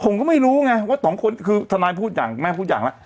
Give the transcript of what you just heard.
ผมก็ไม่รู้ไงว่าสองคนคือทนายพูดอย่างแม่พูดอย่างแล้ว